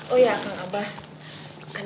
oh ya kak abah